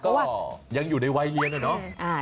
ก็ยังอยู่ในวัยเรียนอะเนาะ